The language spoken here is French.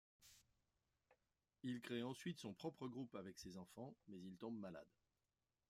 Il crée ensuite son propre groupe avec ses enfants, mais il tombe malade.